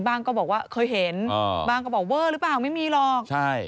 ก็บอกว่าเคยเห็นบ้างก็บอกเวอร์หรือเปล่าไม่มีหรอกใช่